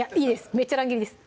めっちゃ乱切りです